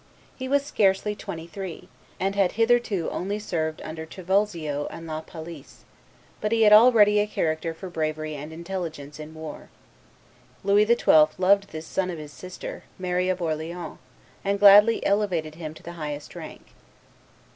He was scarcely twenty three, and had hitherto only served under Trivulzio and La Palisse; but he had already a character for bravery and intelligence in war. Louis XII. loved this son of his sister, Mary of Orleans, and gladly elevated him to the highest rank.